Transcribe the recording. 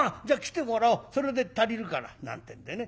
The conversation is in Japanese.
それで足りるから」なんてんでね